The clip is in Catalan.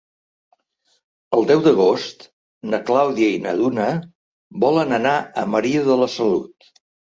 El deu d'agost na Clàudia i na Duna volen anar a Maria de la Salut.